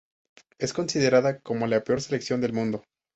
Es considerada como la peor selección del mundo.